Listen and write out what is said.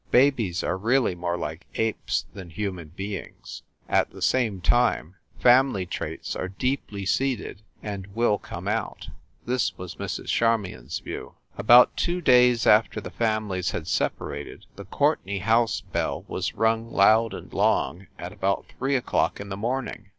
Babies are really more like apes than human beings. At the same time, family traits are deeply seated and will come out. This was Mrs. Charmion s view. About two days after the families had separated, the Courtenay house bell was rung loud and long, at about three o clock in the morning.